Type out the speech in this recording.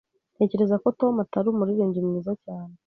Ntekereza ko Tom atari umuririmbyi mwiza cyane.